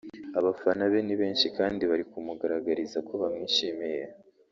Abafana be ni benshi kandi bari kumugaragariza ko bamwishimiye